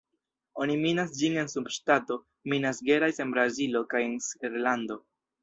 Oni minas ĝin en subŝtato Minas Gerais en Brazilo kaj en Srilanko.